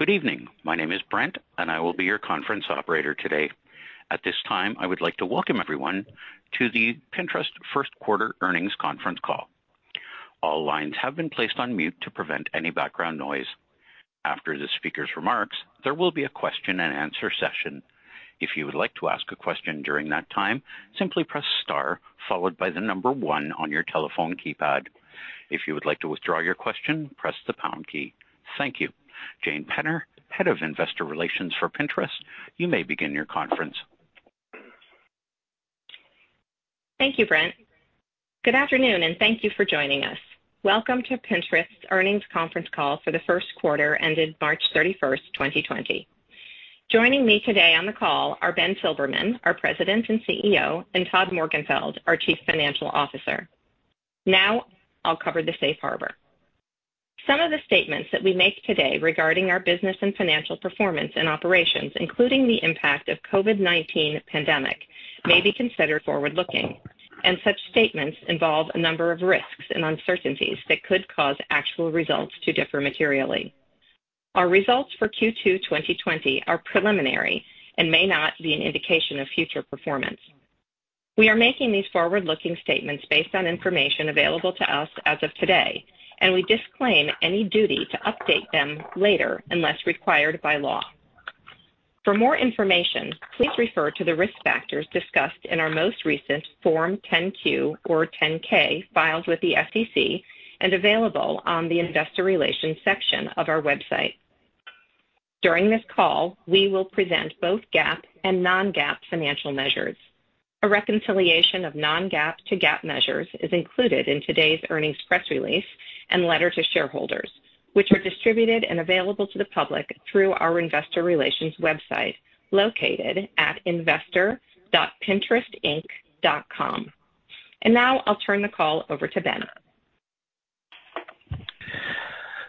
Good evening. My name is Brent, and I will be your conference operator today. At this time, I would like to welcome everyone to the Pinterest first quarter earnings conference call. All lines have been placed on mute to prevent any background noise. After the speaker's remarks, there will be a question and answer session. If you would like to ask a question during that time, simply press star followed by the number one on your telephone keypad. If you would like to withdraw your question, press the pound key. Thank you. Jane Penner, Head of Investor Relations for Pinterest, you may begin your conference. Thank you, Brent. Good afternoon, and thank you for joining us. Welcome to Pinterest's earnings conference call for the first quarter ended March 31st, 2020. Joining me today on the call are Ben Silbermann, our President and CEO, and Todd Morgenfeld, our Chief Financial Officer. I'll cover the safe harbor. Some of the statements that we make today regarding our business and financial performance and operations, including the impact of COVID-19 pandemic, may be considered forward-looking, and such statements involve a number of risks and uncertainties that could cause actual results to differ materially. Our results for Q2 2020 are preliminary and may not be an indication of future performance. We are making these forward-looking statements based on information available to us as of today, and we disclaim any duty to update them later unless required by law. For more information, please refer to the risk factors discussed in our most recent Form 10-Q or 10-K filed with the SEC and available on the investor relations section of our website. During this call, we will present both GAAP and non-GAAP financial measures. A reconciliation of non-GAAP to GAAP measures is included in today's earnings press release and letter to shareholders, which are distributed and available to the public through our investor relations website, located at investor.pinterestinc.com. Now I'll turn the call over to Ben.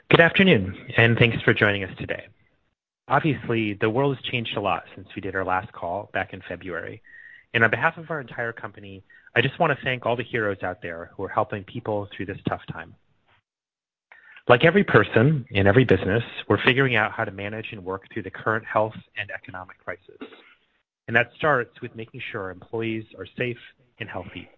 Good afternoon, and thanks for joining us today. Obviously, the world has changed a lot since we did our last call back in February. On behalf of our entire company, I just want to thank all the heroes out there who are helping people through this tough time. Like every person and every business, we're figuring out how to manage and work through the current health and economic crisis, and that starts with making sure our employees are safe and healthy.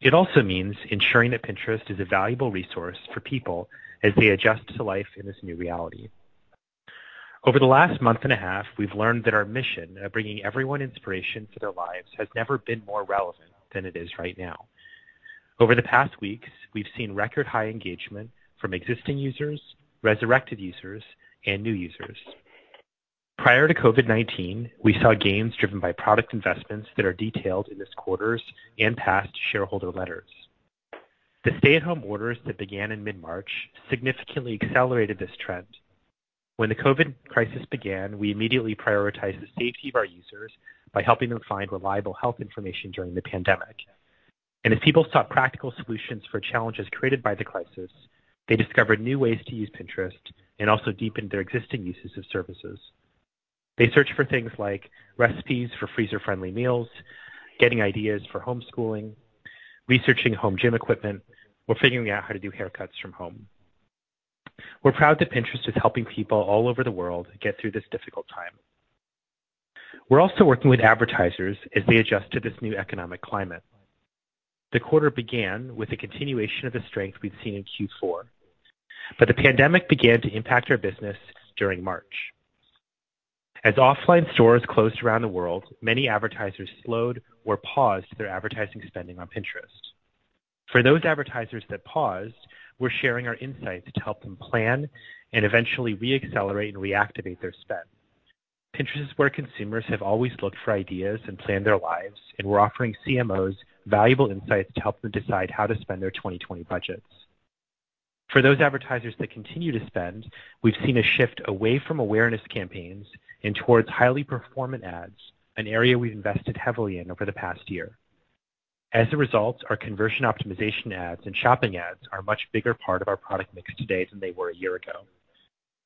It also means ensuring that Pinterest is a valuable resource for people as they adjust to life in this new reality. Over the last month and a half, we've learned that our mission of bringing everyone inspiration for their lives has never been more relevant than it is right now. Over the past weeks, we've seen record high engagement from existing users, resurrected users, and new users. Prior to COVID-19, we saw gains driven by product investments that are detailed in this quarter's and past shareholder letters. The stay-at-home orders that began in mid-March significantly accelerated this trend. When the COVID crisis began, we immediately prioritized the safety of our users by helping them find reliable health information during the pandemic. As people sought practical solutions for challenges created by the crisis, they discovered new ways to use Pinterest and also deepened their existing uses of services. They searched for things like recipes for freezer-friendly meals, getting ideas for homeschooling, researching home gym equipment, or figuring out how to do haircuts from home. We're proud that Pinterest is helping people all over the world get through this difficult time. We're also working with advertisers as they adjust to this new economic climate. The quarter began with a continuation of the strength we'd seen in Q4, but the pandemic began to impact our business during March. As offline stores closed around the world, many advertisers slowed or paused their advertising spending on Pinterest. For those advertisers that paused, we're sharing our insights to help them plan and eventually re-accelerate and reactivate their spend. Pinterest is where consumers have always looked for ideas and plan their lives, and we're offering CMOs valuable insights to help them decide how to spend their 2020 budgets. For those advertisers that continue to spend, we've seen a shift away from awareness campaigns and towards highly performant ads, an area we've invested heavily in over the past year. As a result, our conversion optimization ads and shopping ads are a much bigger part of our product mix today than they were a year ago.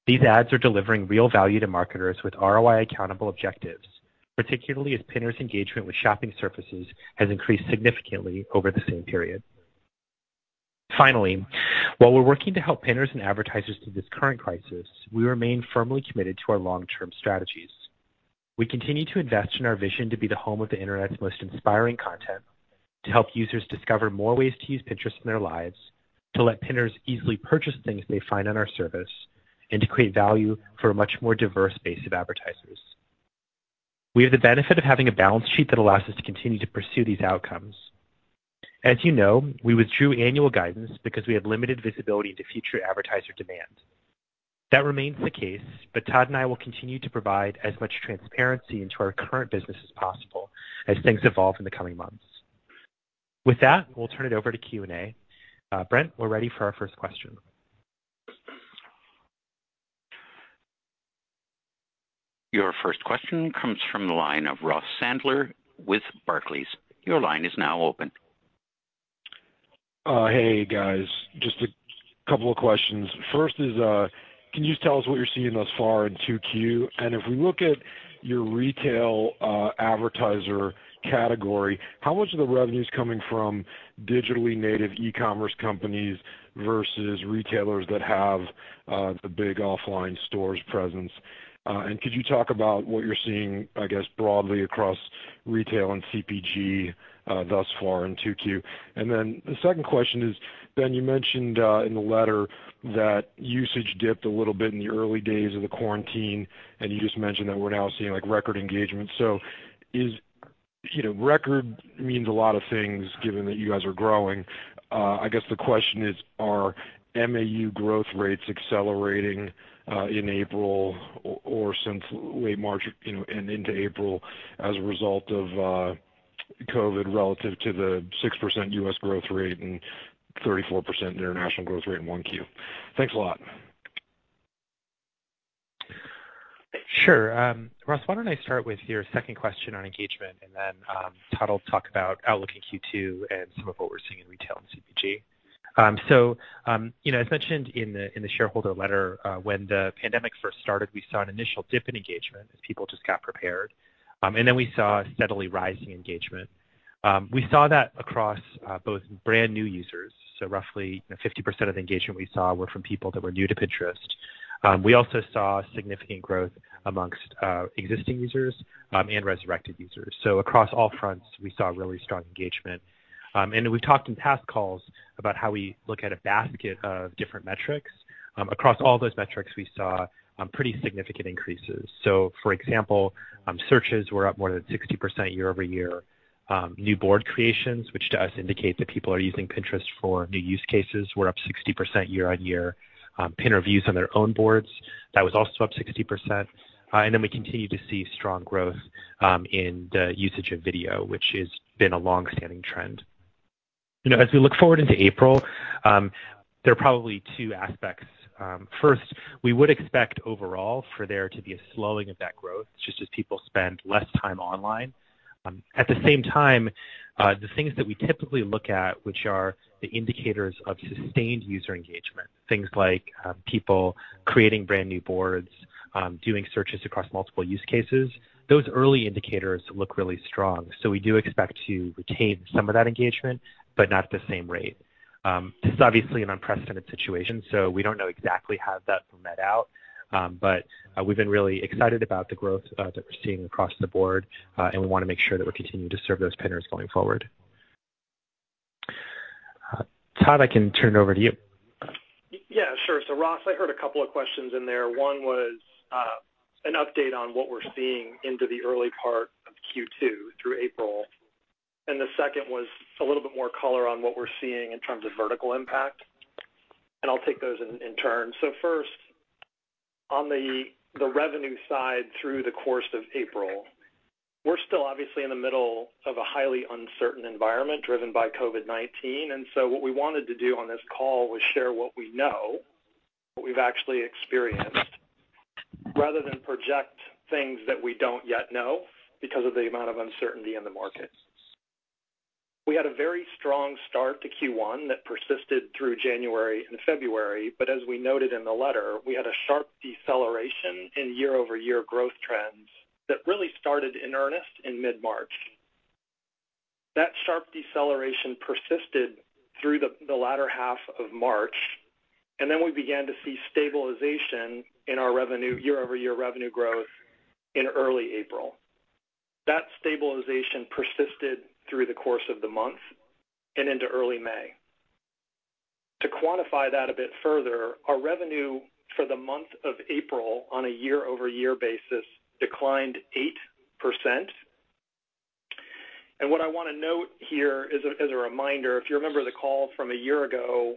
These ads are delivering real value to marketers with ROI accountable objectives, particularly as Pinners' engagement with shopping services has increased significantly over the same period. Finally, while we're working to help Pinners and advertisers through this current crisis, we remain firmly committed to our long-term strategies. We continue to invest in our vision to be the home of the Internet's most inspiring content, to help users discover more ways to use Pinterest in their lives, to let Pinners easily purchase things they find on our service, and to create value for a much more diverse base of advertisers. We have the benefit of having a balance sheet that allows us to continue to pursue these outcomes. As you know, we withdrew annual guidance because we have limited visibility into future advertiser demand. That remains the case, Todd and I will continue to provide as much transparency into our current business as possible as things evolve in the coming months. With that, we'll turn it over to Q&A. Brent, we're ready for our first question. Your first question comes from the line of Ross Sandler with Barclays. Your line is now open. Hey, guys. Just a couple of questions. First is, can you tell us what you're seeing thus far in 2Q? If we look at your retail advertiser category, how much of the revenue's coming from digitally native e-commerce companies versus retailers that have the big offline stores presence? Could you talk about what you're seeing, I guess, broadly across retail and CPG thus far in 2Q? The second question is, Ben, you mentioned in the letter that usage dipped a little bit in the early days of the quarantine, and you just mentioned that we're now seeing record engagement. Record means a lot of things given that you guys are growing. I guess the question is, are MAU growth rates accelerating in April or since late March and into April as a result of COVID relative to the 6% U.S. growth rate and 34% international growth rate in 1Q? Thanks a lot. Sure. Ross, why don't I start with your second question on engagement and then Todd will talk about outlook in Q2 and some of what we're seeing in retail and CPG. As mentioned in the shareholder letter, when the pandemic first started, we saw an initial dip in engagement as people just got prepared. We saw steadily rising engagement. We saw that across both brand new users, so roughly 50% of engagement we saw were from people that were new to Pinterest. We also saw significant growth amongst existing users and resurrected users. Across all fronts, we saw really strong engagement. We've talked in past calls about how we look at a basket of different metrics. Across all those metrics, we saw pretty significant increases. For example, searches were up more than 60% year-over-year. New board creations, which to us indicate that people are using Pinterest for new use cases, were up 60% year-on-year. Pin reviews on their own boards, that was also up 60%. We continue to see strong growth in the usage of video, which has been a longstanding trend. As we look forward into April, there are probably two aspects. First, we would expect overall for there to be a slowing of that growth, just as people spend less time online. At the same time, the things that we typically look at, which are the indicators of sustained user engagement, things like people creating brand new boards, doing searches across multiple use cases, those early indicators look really strong. We do expect to retain some of that engagement, but not at the same rate. This is obviously an unprecedented situation, we don't know exactly how that will net out. We've been really excited about the growth that we're seeing across the board, and we want to make sure that we're continuing to serve those pinners going forward. Todd, I can turn it over to you. Yeah, sure. Ross, I heard a couple of questions in there. One was an update on what we're seeing into the early part of Q2 through April. The second was a little bit more color on what we're seeing in terms of vertical impact. I'll take those in turn. First, on the revenue side through the course of April, we're still obviously in the middle of a highly uncertain environment driven by COVID-19. What we wanted to do on this call was share what we know, what we've actually experienced, rather than project things that we don't yet know because of the amount of uncertainty in the market. We had a very strong start to Q1 that persisted through January and February. As we noted in the letter, we had a sharp deceleration in year-over-year growth trends that really started in earnest in mid-March. That sharp deceleration persisted through the latter half of March. Then we began to see stabilization in our year-over-year revenue growth in early April. That stabilization persisted through the course of the month and into early May. To quantify that a bit further, our revenue for the month of April on a year-over-year basis declined 8%. What I want to note here as a reminder, if you remember the call from a year ago,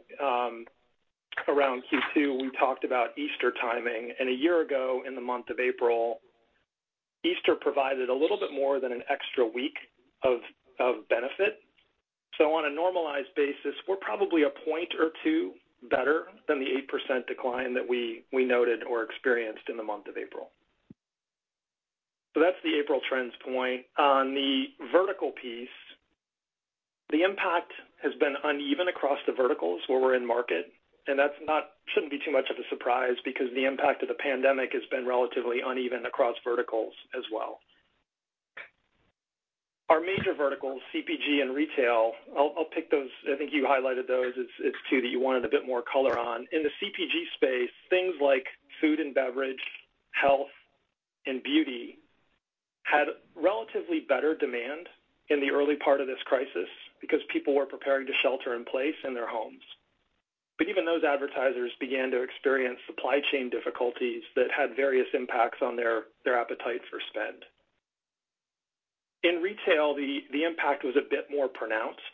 around Q2, we talked about Easter timing. A year ago, in the month of April, Easter provided a little bit more than an extra week of benefit. On a normalized basis, we're probably a point or two better than the 8% decline that we noted or experienced in the month of April. That's the April trends point. On the vertical piece, the impact has been uneven across the verticals where we're in market, and that shouldn't be too much of a surprise because the impact of the pandemic has been relatively uneven across verticals as well. Our major verticals, CPG and retail, I'll pick those. I think you highlighted those. It's two that you wanted a bit more color on. In the CPG space, things like food and beverage, health, and beauty had relatively better demand in the early part of this crisis because people were preparing to shelter in place in their homes. Even those advertisers began to experience supply chain difficulties that had various impacts on their appetite for spend. In retail, the impact was a bit more pronounced.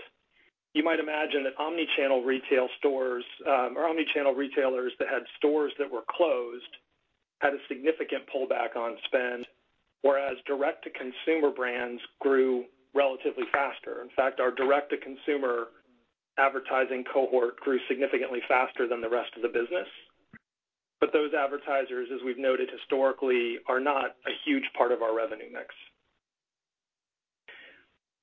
You might imagine that omnichannel retail stores or omnichannel retailers that had stores that were closed had a significant pullback on spend, whereas direct-to-consumer brands grew relatively faster. In fact, our direct-to-consumer advertising cohort grew significantly faster than the rest of the business. Those advertisers, as we've noted historically, are not a huge part of our revenue mix.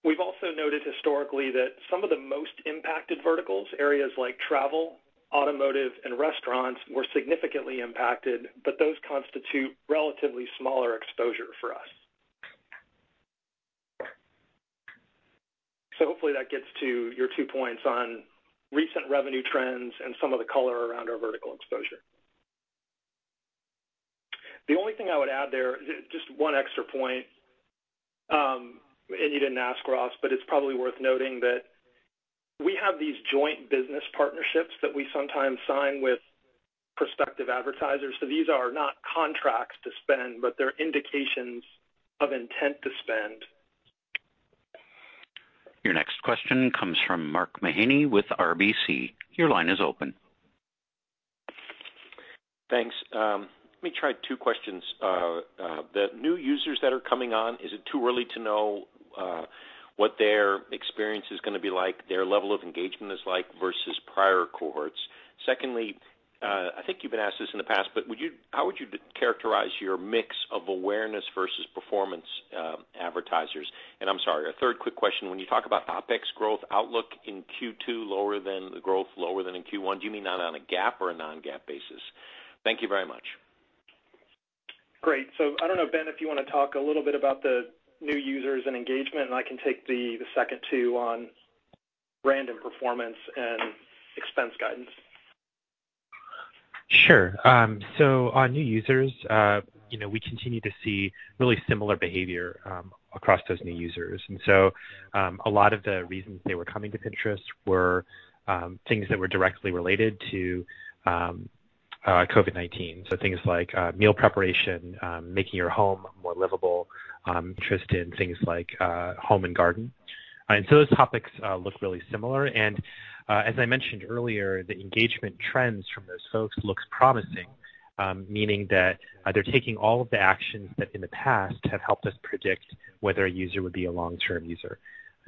We've also noted historically that some of the most impacted verticals, areas like travel, automotive, and restaurants, were significantly impacted, but those constitute relatively smaller exposure for us. Hopefully that gets to your two points on recent revenue trends and some of the color around our vertical exposure. The only thing I would add there, just one extra point. You didn't ask, Ross, but it's probably worth noting that we have these joint business partnerships that we sometimes sign with prospective advertisers. These are not contracts to spend, but they're indications of intent to spend. Your next question comes from Mark Mahaney with RBC. Your line is open. Thanks. Let me try two questions. The new users that are coming on, is it too early to know what their experience is going to be like, their level of engagement is like versus prior cohorts? Secondly, I think you've been asked this in the past, but how would you characterize your mix of awareness versus performance advertisers? I'm sorry, a third quick question, when you talk about OpEx growth outlook in Q2, the growth lower than in Q1, do you mean that on a GAAP or a non-GAAP basis? Thank you very much. Great. I don't know, Ben, if you want to talk a little bit about the new users and engagement, and I can take the second two on brand and performance and expense guidance. Sure. On new users, we continue to see really similar behavior across those new users. A lot of the reasons they were coming to Pinterest were things that were directly related to COVID-19. Things like meal preparation, making your home more livable, interest in things like home and garden. Those topics look really similar. As I mentioned earlier, the engagement trends from those folks looks promising, meaning that they're taking all of the actions that in the past have helped us predict whether a user would be a long-term user.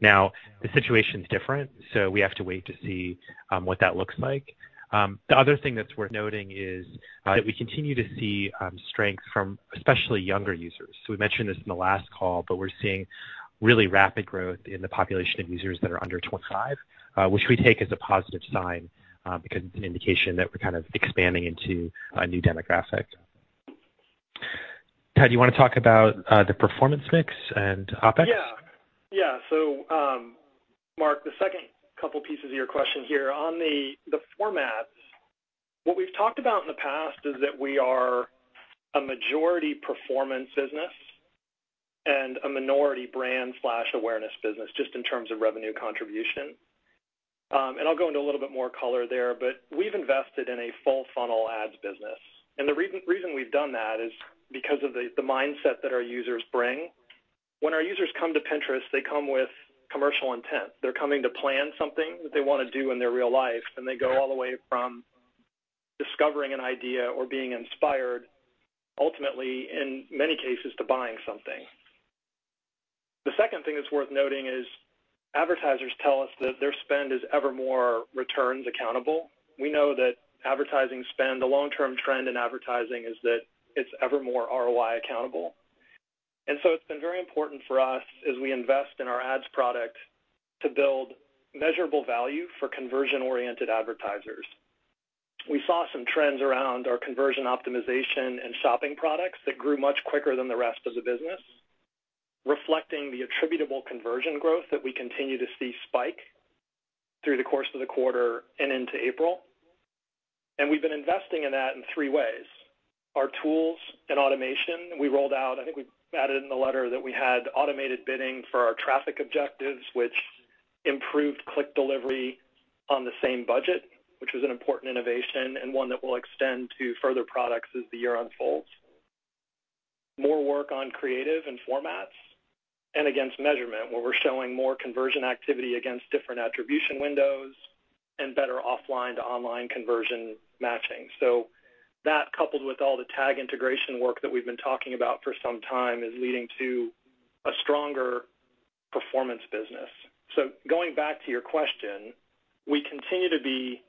Now, the situation's different, so we have to wait to see what that looks like. The other thing that's worth noting is that we continue to see strength from especially younger users. We mentioned this in the last call, we're seeing really rapid growth in the population of users that are under 25, which we take as a positive sign because it's an indication that we're kind of expanding into a new demographic. Todd, do you want to talk about the performance mix and OpEx? Yeah. Mark, the second couple pieces of your question here. On the formats, what we've talked about in the past is that we are a majority performance business and a minority brand/awareness business, just in terms of revenue contribution. I'll go into a little bit more color there, but we've invested in a full funnel ads business. The reason we've done that is because of the mindset that our users bring. When our users come to Pinterest, they come with commercial intent. They're coming to plan something that they want to do in their real life, and they go all the way from discovering an idea or being inspired, ultimately, in many cases, to buying something. The second thing that's worth noting is advertisers tell us that their spend is ever more returns accountable. We know that advertising spend, the long-term trend in advertising is that it's ever more ROI accountable. So it's been very important for us as we invest in our ads product to build measurable value for conversion-oriented advertisers. We saw some trends around our conversion optimization and shopping products that grew much quicker than the rest of the business, reflecting the attributable conversion growth that we continue to see spike through the course of the quarter and into April. We've been investing in that in three ways. Our tools and automation, we rolled out, I think we added in the letter that we had automated bidding for our traffic objectives, which improved click delivery on the same budget, which was an important innovation and one that will extend to further products as the year unfolds. More work on creative and formats and against measurement, where we're showing more conversion activity against different attribution windows and better offline to online conversion matching. That, coupled with all the tag integration work that we've been talking about for some time, is leading to a stronger performance business. Going back to your question, we continue to be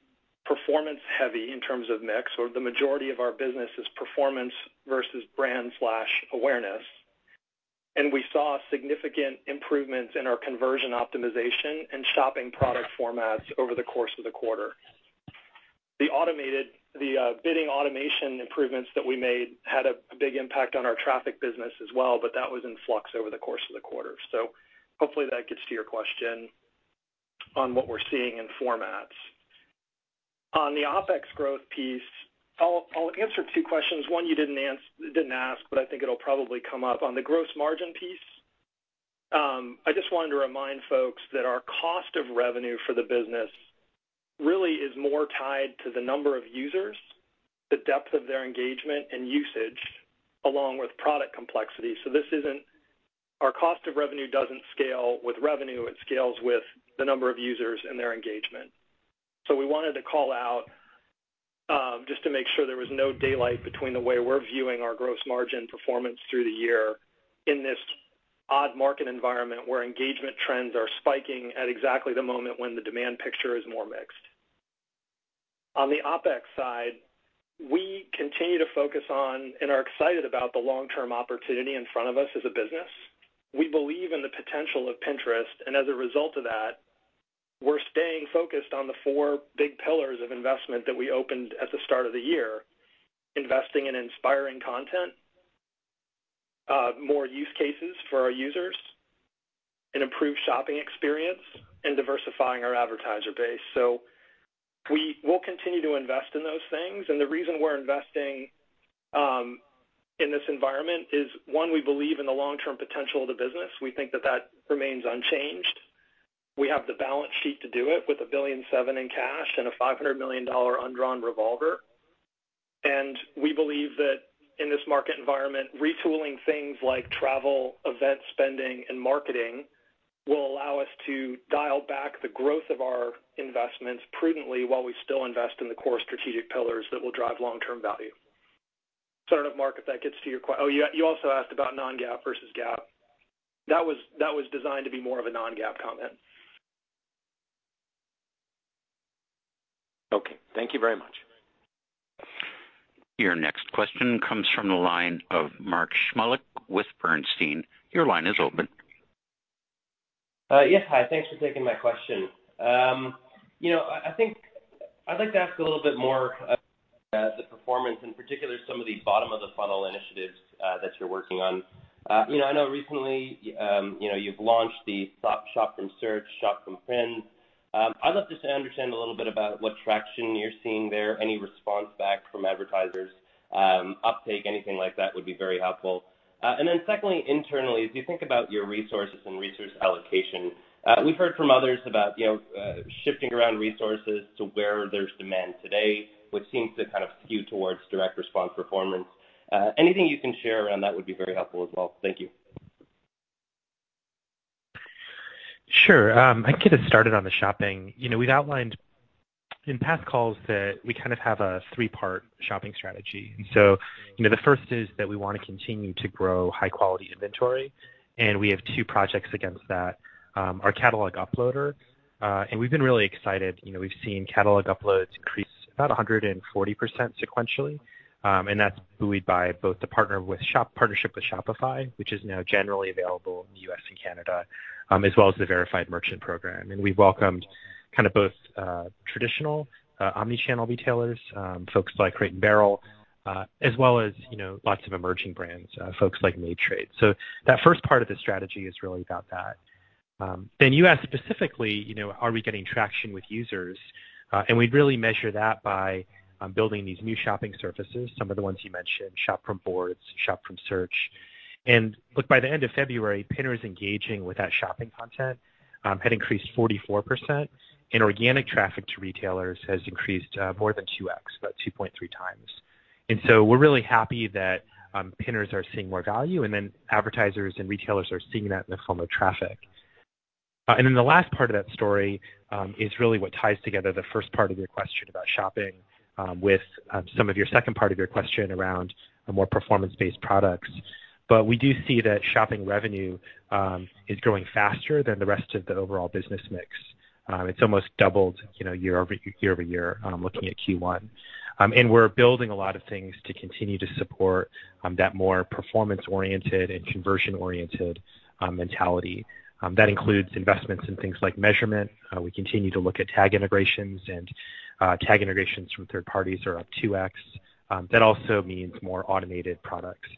performance heavy in terms of mix, or the majority of our business is performance versus brand/awareness. We saw significant improvements in our conversion optimization and shopping product formats over the course of the quarter. The bidding automation improvements that we made had a big impact on our traffic business as well, but that was in flux over the course of the quarter. Hopefully that gets to your question on what we're seeing in formats. On the OpEx growth piece, I'll answer two questions. One you didn't ask, but I think it'll probably come up. On the gross margin piece, I just wanted to remind folks that our cost of revenue for the business really is more tied to the number of users, the depth of their engagement and usage, along with product complexity. Our cost of revenue doesn't scale with revenue, it scales with the number of users and their engagement. We wanted to call out, just to make sure there was no daylight between the way we're viewing our gross margin performance through the year in this odd market environment where engagement trends are spiking at exactly the moment when the demand picture is more mixed. On the OpEx side, we continue to focus on and are excited about the long-term opportunity in front of us as a business. We believe in the potential of Pinterest, and as a result of that, we're staying focused on the four big pillars of investment that we opened at the start of the year: investing in inspiring content, more use cases for our users, an improved shopping experience, and diversifying our advertiser base. We will continue to invest in those things. The reason we're investing in this environment is one, we believe in the long-term potential of the business. We think that that remains unchanged. We have the balance sheet to do it with $1.7 billion in cash and a $500 million undrawn revolver. We believe that in this market environment, retooling things like travel, event spending, and marketing will allow us to dial back the growth of our investments prudently while we still invest in the core strategic pillars that will drive long-term value. I don't know, Mark, if that gets to your oh, you also asked about non-GAAP versus GAAP. That was designed to be more of a non-GAAP comment. Okay. Thank you very much. Your next question comes from the line of Mark Shmulik with Bernstein. Your line is open. Yes. Hi, thanks for taking my question. I'd like to ask a little bit more about the performance, in particular, some of the bottom-of-the-funnel initiatives that you're working on. I know recently you've launched the Shop from Search, Shop from Friends. I'd love just to understand a little bit about what traction you're seeing there. Any response back from advertisers uptake, anything like that would be very helpful. Secondly, internally, as you think about your resources and resource allocation, we've heard from others about shifting around resources to where there's demand today, which seems to kind of skew towards direct response performance. Anything you can share around that would be very helpful as well. Thank you. Sure. I can get us started on the shopping. We've outlined in past calls that we kind of have a three-part shopping strategy. The first is that we want to continue to grow high-quality inventory, and we have two projects against that. Our catalog uploader, and we've been really excited. We've seen catalog uploads increase about 140% sequentially. That's buoyed by both the partnership with Shopify, which is now generally available in the U.S. and Canada, as well as the Verified Merchant Program. We've welcomed kind of both traditional omnichannel retailers, folks like Crate & Barrel, as well as lots of emerging brands, folks like Made Trade. That first part of the strategy is really about that. You asked specifically, are we getting traction with users? We really measure that by building these new shopping surfaces, some of the ones you mentioned, shop from boards, shop from search. By the end of February, Pinners engaging with that shopping content had increased 44%, and organic traffic to retailers has increased more than 2x, about 2.3 times. We're really happy that Pinners are seeing more value, and then advertisers and retailers are seeing that in the form of traffic. The last part of that story is really what ties together the first part of your question about shopping with some of your second part of your question around a more performance-based products. We do see that shopping revenue is growing faster than the rest of the overall business mix. It's almost doubled year-over-year looking at Q1. We're building a lot of things to continue to support that more performance-oriented and conversion-oriented mentality. That includes investments in things like measurement. We continue to look at tag integrations, and tag integrations from third parties are up 2X. That also means more automated products.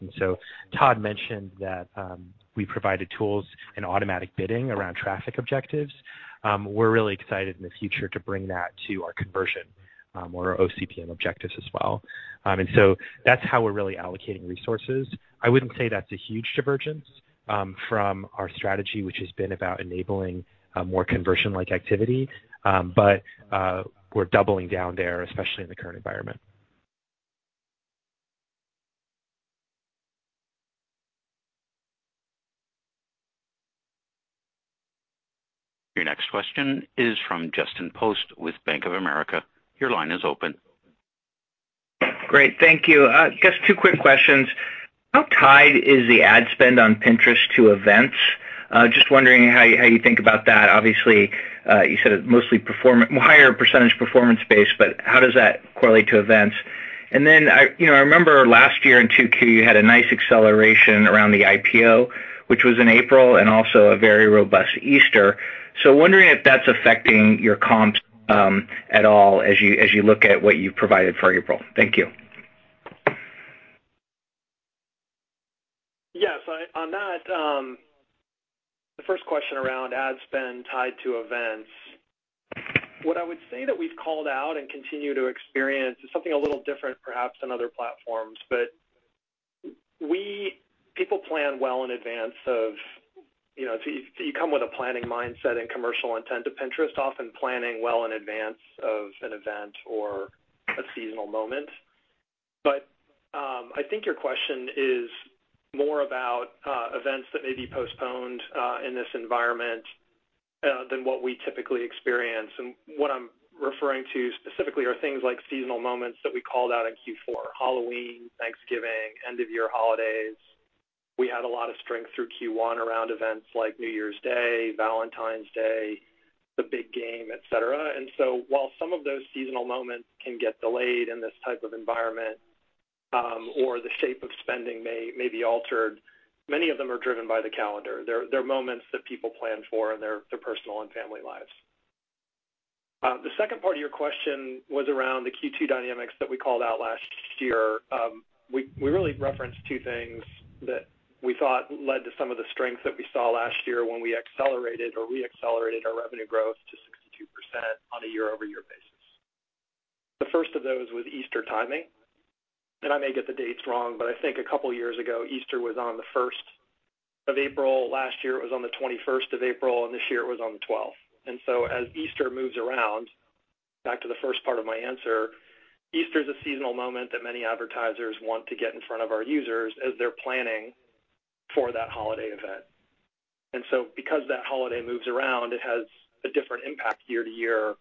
Todd mentioned that we provided tools and automatic bidding around traffic objectives. We're really excited in the future to bring that to our conversion, or our OCPM objectives as well. That's how we're really allocating resources. I wouldn't say that's a huge divergence from our strategy, which has been about enabling a more conversion-like activity. We're doubling down there, especially in the current environment. Your next question is from Justin Post with Bank of America. Your line is open. Great. Thank you. Just two quick questions. How tied is the ad spend on Pinterest to events? Just wondering how you think about that. Obviously, you said it's mostly higher % performance-based, how does that correlate to events? I remember last year in 2Q, you had a nice acceleration around the IPO, which was in April, and also a very robust Easter. Wondering if that's affecting your comps at all as you look at what you've provided for April. Thank you. Yes. On that, the first question around ad spend tied to events. What I would say that we've called out and continue to experience is something a little different, perhaps than other platforms. People plan well so you come with a planning mindset and commercial intent to Pinterest, often planning well in advance of an event or a seasonal moment. I think your question is more about events that may be postponed in this environment than what we typically experience. What I'm referring to specifically are things like seasonal moments that we called out in Q4: Halloween, Thanksgiving, end-of-year holidays. We had a lot of strength through Q1 around events like New Year's Day, Valentine's Day, the big game, et cetera. While some of those seasonal moments can get delayed in this type of environment, or the shape of spending may be altered, many of them are driven by the calendar. They're moments that people plan for in their personal and family lives. The second part of your question was around the Q2 dynamics that we called out last year. We really referenced two things that we thought led to some of the strength that we saw last year when we accelerated or re-accelerated our revenue growth to 62% on a year-over-year basis. The first of those was Easter timing, and I may get the dates wrong, but I think a couple of years ago, Easter was on the 1st of April. Last year, it was on the 21st of April, and this year it was on the 12th. As Easter moves around, back to the first part of my answer, Easter is a seasonal moment that many advertisers want to get in front of our users as they're planning for that holiday event. Because that holiday moves around, it has a different impact year-to-year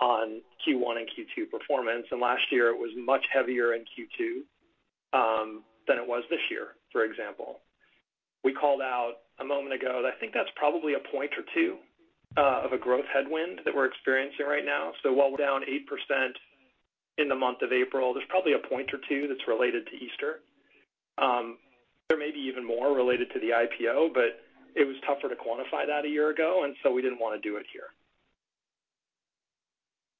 on Q1 and Q2 performance. Last year, it was much heavier in Q2 than it was this year, for example. We called out a moment ago, I think that's probably a point or two of a growth headwind that we're experiencing right now. While we're down 8% in the month of April, there's probably a point or two that's related to Easter. There may be even more related to the IPO, but it was tougher to quantify that a year ago, and so we didn't want to do it here.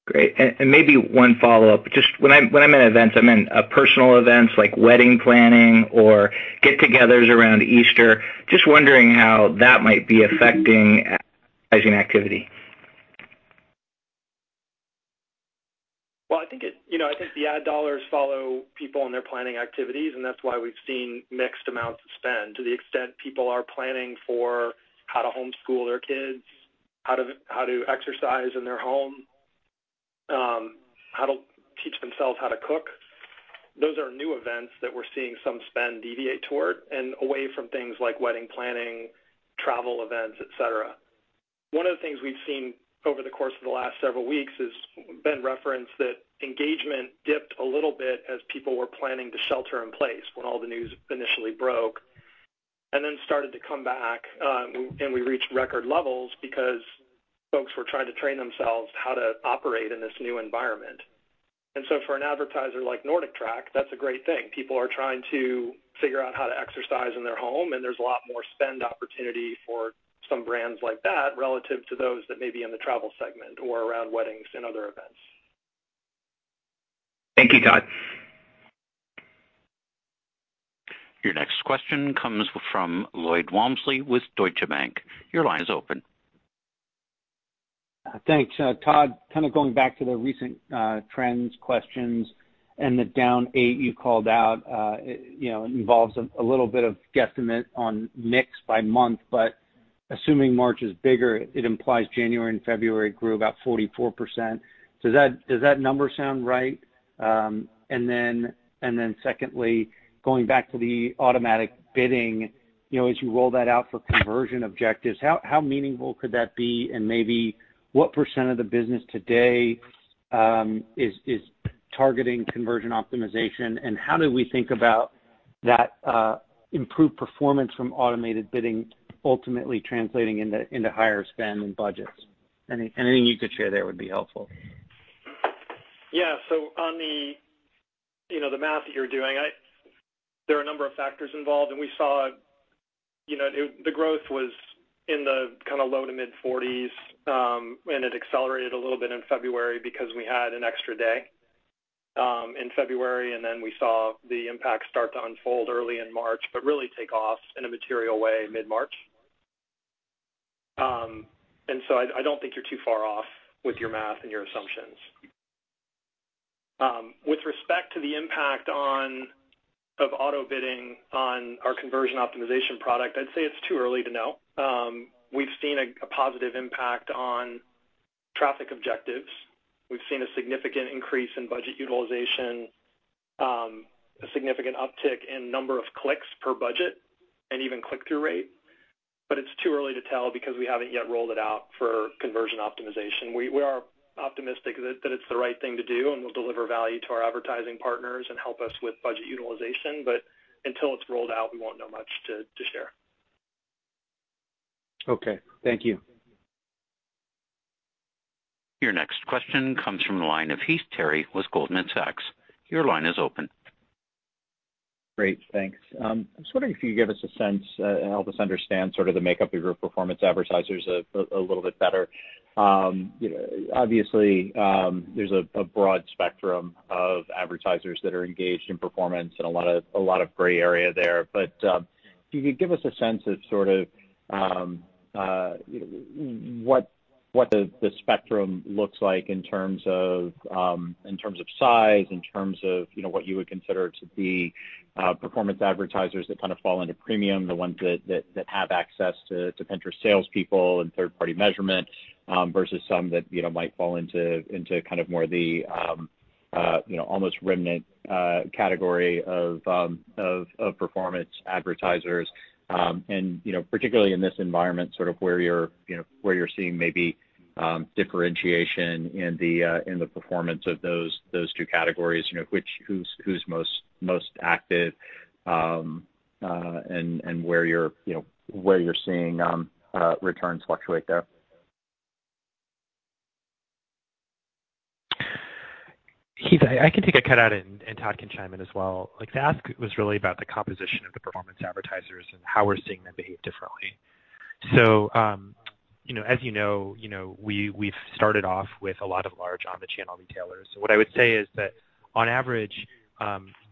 Great. Maybe one follow-up. Just when I'm in events, I'm in personal events like wedding planning or get-togethers around Easter, just wondering how that might be affecting advertising activity. Well, I think the ad dollars follow people and their planning activities, and that's why we've seen mixed amounts of spend. To the extent people are planning for how to homeschool their kids, how to exercise in their home, how to teach themselves how to cook. Those are new events that we're seeing some spend deviate toward and away from things like wedding planning, travel events, et cetera. One of the things we've seen over the course of the last several weeks has been referenced that engagement dipped a little bit as people were planning to shelter in place when all the news initially broke, and then started to come back, and we reached record levels because folks were trying to train themselves how to operate in this new environment. for an advertiser like NordicTrack, that's a great thing. People are trying to figure out how to exercise in their home, and there's a lot more spend opportunity for some brands like that relative to those that may be in the travel segment or around weddings and other events. Thank you, Todd. Your next question comes from Lloyd Walmsley with Deutsche Bank. Your line is open. Thanks. Todd, kind of going back to the recent trends questions and the down eight you called out. It involves a little bit of guesstimate on mix by month, but assuming March is bigger, it implies January and February grew about 44%. Does that number sound right? then secondly, going back to the automatic bidding, as you roll that out for conversion objectives, how meaningful could that be? maybe what % of the business today is targeting conversion optimization, and how do we think about that improved performance from automated bidding ultimately translating into higher spend and budgets? Anything you could share there would be helpful. Yeah. On the math that you're doing, there are a number of factors involved, and we saw the growth was in the kind of low to mid-40s, and it accelerated a little bit in February because we had an extra day in February, and then we saw the impact start to unfold early in March, but really take off in a material way mid-March. I don't think you're too far off with your math and your assumptions. With respect to the impact of auto bidding on our conversion optimization product, I'd say it's too early to know. We've seen a positive impact on traffic objectives. We've seen a significant increase in budget utilization, a significant uptick in number of clicks per budget and even click-through rate. It's too early to tell because we haven't yet rolled it out for conversion optimization. We are optimistic that it's the right thing to do, and will deliver value to our advertising partners and help us with budget utilization. until it's rolled out, we won't know much to share. Okay. Thank you. Your next question comes from the line of Heath Terry with Goldman Sachs. Your line is open. Great. Thanks. I was wondering if you could give us a sense and help us understand sort of the makeup of your performance advertisers a little bit better. Obviously, there's a broad spectrum of advertisers that are engaged in performance and a lot of gray area there. If you could give us a sense of sort of what the spectrum looks like in terms of size, in terms of what you would consider to be performance advertisers that kind of fall into premium, the ones that have access to Pinterest salespeople and third-party measurement, versus some that might fall into kind of more the almost remnant category of performance advertisers. Particularly in this environment, sort of where you're seeing maybe differentiation in the performance of those two categories, who's most active, and where you're seeing returns fluctuate there. Heath, I can take a cut at it, and Todd can chime in as well. The ask was really about the composition of the performance advertisers and how we're seeing them behave differently. As you know, we've started off with a lot of large omni-channel retailers. What I would say is that on average,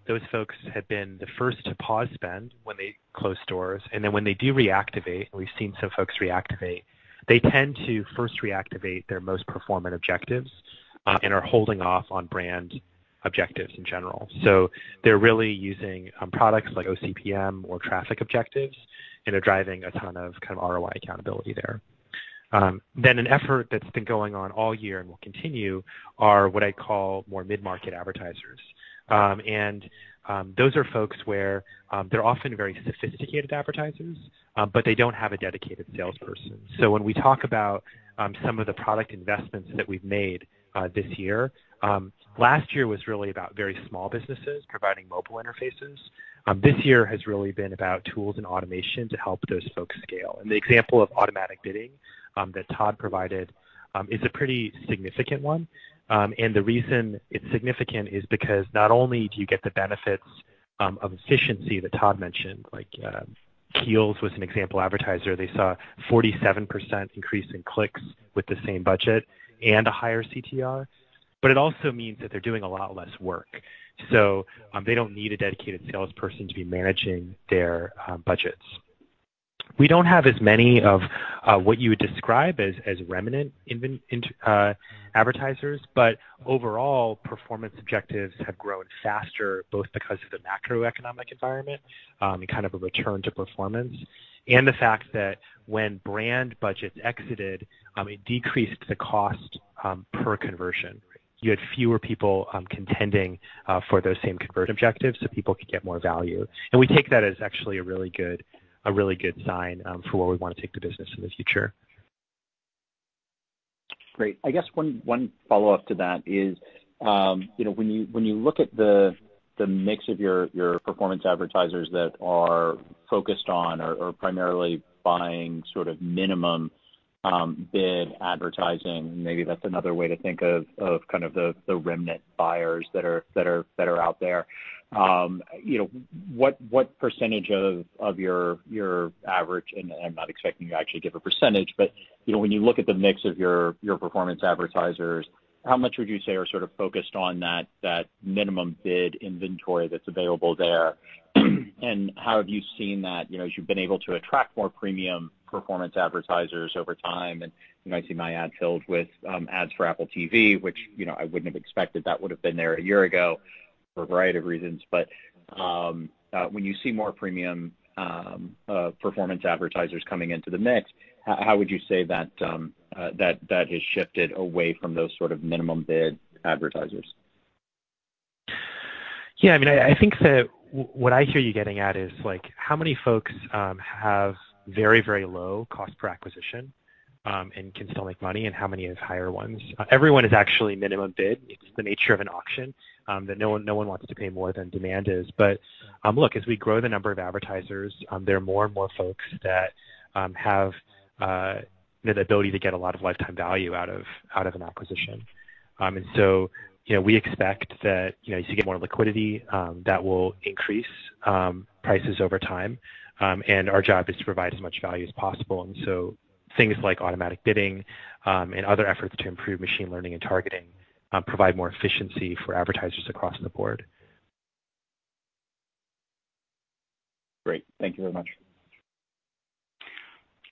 those folks have been the first to pause spend when they close stores, and then when they do reactivate, and we've seen some folks reactivate, they tend to first reactivate their most performant objectives and are holding off on brand objectives in general. They're really using products like OCPM or traffic objectives, and they're driving a ton of ROI accountability there. An effort that's been going on all year and will continue are what I call more mid-market advertisers. Those are folks where they're often very sophisticated advertisers, but they don't have a dedicated salesperson. When we talk about some of the product investments that we've made this year, last year was really about very small businesses providing mobile interfaces. This year has really been about tools and automation to help those folks scale. The example of automatic bidding that Todd provided is a pretty significant one. The reason it's significant is because not only do you get the benefits of efficiency that Todd mentioned, like Kiehl's was an example advertiser. They saw 47% increase in clicks with the same budget and a higher CTR. It also means that they're doing a lot less work. They don't need a dedicated salesperson to be managing their budgets. We don't have as many of what you would describe as remnant advertisers, but overall, performance objectives have grown faster, both because of the macroeconomic environment and kind of a return to performance. The fact that when brand budgets exited, it decreased the cost per conversion. You had fewer people contending for those same convert objectives so people could get more value. We take that as actually a really good sign for where we want to take the business in the future. Great. I guess one follow-up to that is when you look at the mix of your performance advertisers that are focused on or are primarily buying sort of minimum bid advertising, maybe that's another way to think of kind of the remnant buyers that are out there. What percentage of your average, and I'm not expecting you to actually give a percentage, but when you look at the mix of your performance advertisers, how much would you say are sort of focused on that minimum bid inventory that's available there? How have you seen that as you've been able to attract more premium performance advertisers over time? I see my ad filled with ads for Apple TV, which I wouldn't have expected that would've been there a year ago for a variety of reasons. when you see more premium performance advertisers coming into the mix, how would you say that has shifted away from those sort of minimum bid advertisers? I think that what I hear you getting at is how many folks have very low cost per acquisition and can still make money and how many have higher ones? Everyone is actually minimum bid. It's the nature of an auction that no one wants to pay more than demand is. As we grow the number of advertisers, there are more and more folks that have the ability to get a lot of lifetime value out of an acquisition. We expect that as you get more liquidity, that will increase prices over time. Our job is to provide as much value as possible. Things like automatic bidding and other efforts to improve machine learning and targeting provide more efficiency for advertisers across the board. Great. Thank you very much.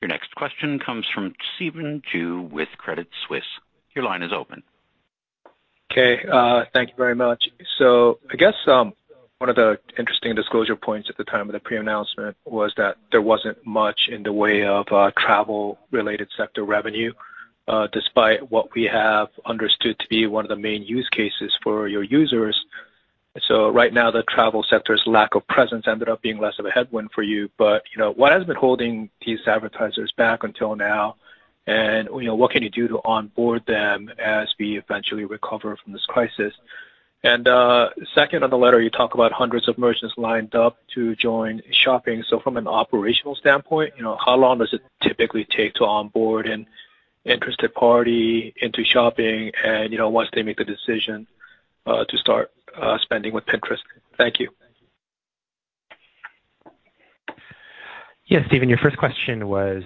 Your next question comes from Stephen Ju with Credit Suisse. Your line is open. Okay. Thank you very much. I guess one of the interesting disclosure points at the time of the pre-announcement was that there wasn't much in the way of travel-related sector revenue, despite what we have understood to be one of the main use cases for your users. Right now, the travel sector's lack of presence ended up being less of a headwind for you. What has been holding these advertisers back until now? What can you do to onboard them as we eventually recover from this crisis? Second, on the letter, you talk about hundreds of merchants lined up to join shopping. From an operational standpoint, how long does it typically take to onboard an interested party into shopping and once they make the decision to start spending with Pinterest? Thank you. Yeah, Stephen, your first question was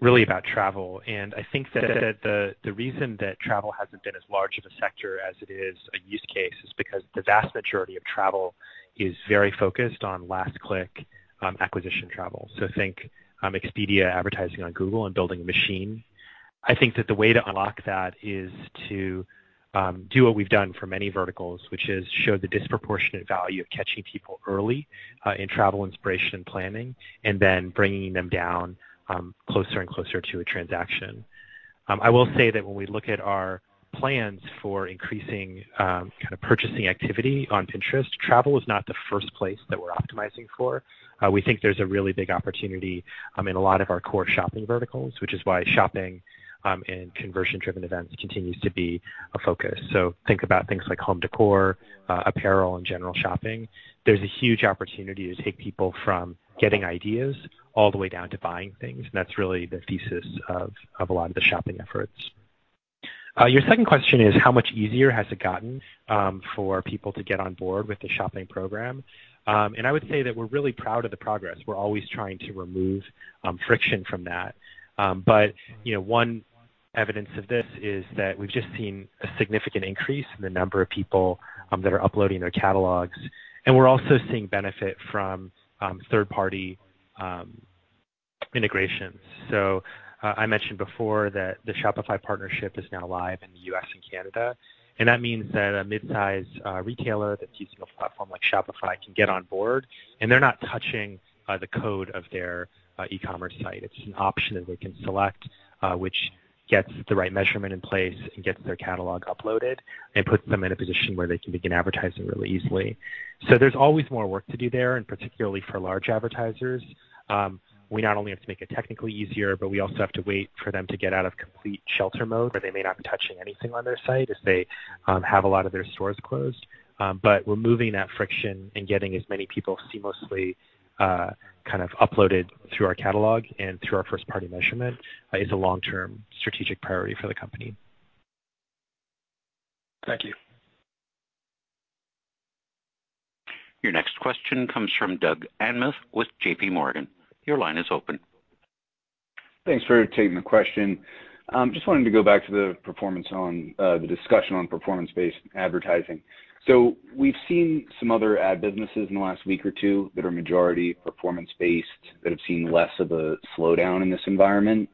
really about travel, and I think that the reason that travel hasn't been as large of a sector as it is a use case is because the vast majority of travel is very focused on last-click acquisition travel. Think Expedia advertising on Google and building a machine. I think that the way to unlock that is to do what we've done for many verticals, which is show the disproportionate value of catching people early in travel inspiration and planning, and then bringing them down closer and closer to a transaction. I will say that when we look at our plans for increasing kind of purchasing activity on Pinterest, travel is not the first place that we're optimizing for. We think there's a really big opportunity in a lot of our core shopping verticals, which is why shopping and conversion-driven events continues to be a focus. Think about things like home decor, apparel, and general shopping. There's a huge opportunity to take people from getting ideas all the way down to buying things, and that's really the thesis of a lot of the shopping efforts. Your second question is how much easier has it gotten for people to get on board with the shopping program? I would say that we're really proud of the progress. We're always trying to remove friction from that. One evidence of this is that we've just seen a significant increase in the number of people that are uploading their catalogs, and we're also seeing benefit from third-party integrations. I mentioned before that the Shopify partnership is now live in the U.S. and Canada, and that means that a mid-size retailer that's using a platform like Shopify can get on board, and they're not touching the code of their e-commerce site. It's an option that they can select which gets the right measurement in place and gets their catalog uploaded and puts them in a position where they can begin advertising really easily. There's always more work to do there, and particularly for large advertisers. We not only have to make it technically easier, but we also have to wait for them to get out of complete shelter mode where they may not be touching anything on their site if they have a lot of their stores closed. Removing that friction and getting as many people seamlessly uploaded through our catalog and through our first-party measurement is a long-term strategic priority for the company. Thank you. Your next question comes from Doug Anmuth with JPMorgan. Your line is open. Thanks for taking the question. Just wanted to go back to the discussion on performance-based advertising. We've seen some other ad businesses in the last week or two that are majority performance-based that have seen less of a slowdown in this environment.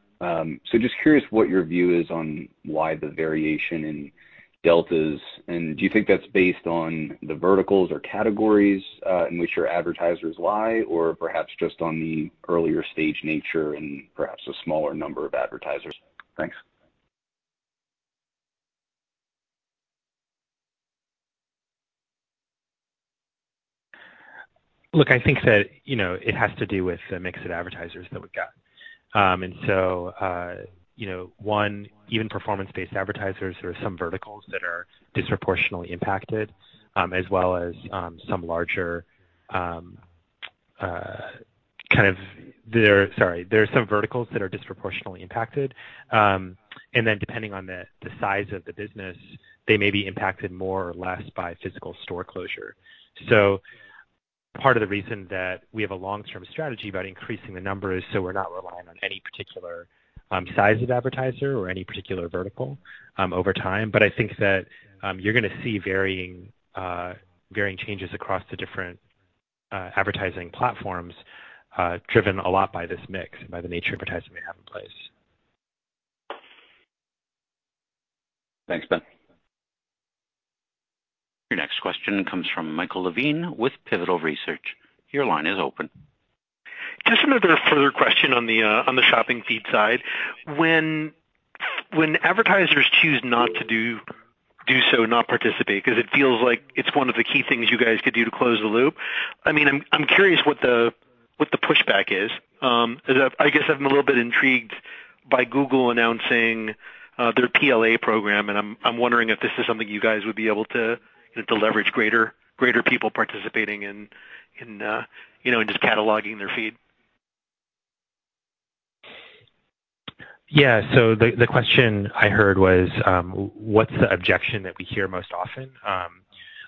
Just curious what your view is on why the variation in deltas, and do you think that's based on the verticals or categories in which your advertisers lie or perhaps just on the earlier stage nature and perhaps a smaller number of advertisers? Thanks. Look, I think that it has to do with the mix of advertisers that we've got. One, even performance-based advertisers, there are some verticals that are disproportionately impacted, and then depending on the size of the business, they may be impacted more or less by physical store closure. Part of the reason that we have a long-term strategy about increasing the number is so we're not relying on any particular size of advertiser or any particular vertical over time. I think that you're going to see varying changes across the different advertising platforms, driven a lot by this mix, by the nature of advertising we have in place. Thanks, Ben. Your next question comes from Michael Levine with Pivotal Research. Your line is open. Just another further question on the shopping feed side. When advertisers choose not to do so, not participate, because it feels like it's one of the key things you guys could do to close the loop. I'm curious what the pushback is. I guess I'm a little bit intrigued by Google announcing their PLA program, and I'm wondering if this is something you guys would be able to leverage greater people participating and just cataloging their feed. Yeah. The question I heard was, what's the objection that we hear most often?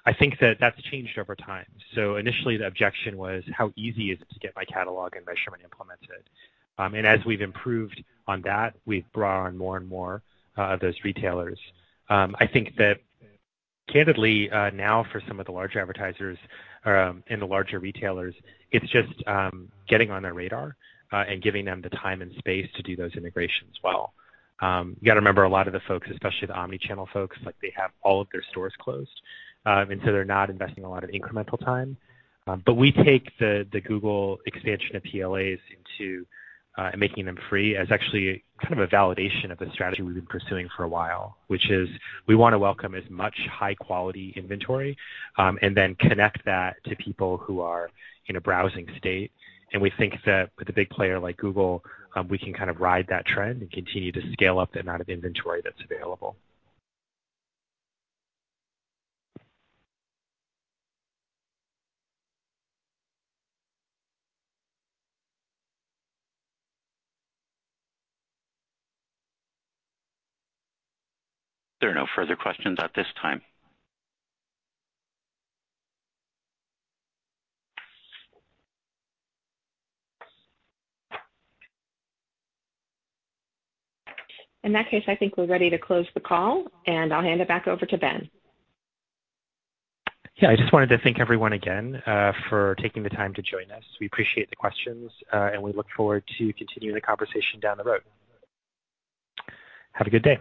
I think that that's changed over time. Initially, the objection was how easy is it to get my catalog and measurement implemented? As we've improved on that, we've brought on more and more of those retailers. I think that candidly, now for some of the larger advertisers and the larger retailers, it's just getting on their radar and giving them the time and space to do those integrations well. You got to remember a lot of the folks, especially the omni-channel folks, they have all of their stores closed, and so they're not investing a lot of incremental time. We take the Google expansion of PLAs into making them free as actually kind of a validation of the strategy we've been pursuing for a while, which is we want to welcome as much high-quality inventory, and then connect that to people who are in a browsing state. We think that with a big player like Google, we can kind of ride that trend and continue to scale up the amount of inventory that's available. There are no further questions at this time. In that case, I think we're ready to close the call, and I'll hand it back over to Ben. Yeah, I just wanted to thank everyone again for taking the time to join us. We appreciate the questions, and we look forward to continuing the conversation down the road. Have a good day.